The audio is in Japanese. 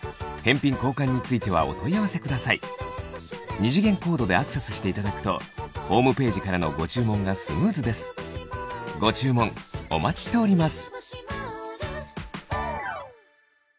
二次元コードでアクセスしていただくとホームページからのご注文がスムーズですご注文お待ちしております